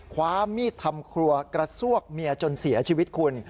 ความมีดทำครัวกระซวกเมียจนเสียชีวิตคุณ